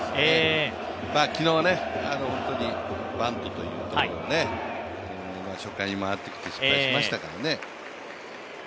昨日は本当にバントというところで、初回に回ってきて失敗しましたからね。